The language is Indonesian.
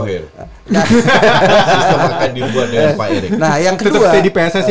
sistem akan dibuat dengan pak erik